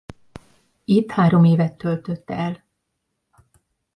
Itt három évet töltött el.